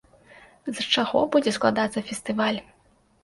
З чаго будзе складацца фестываль.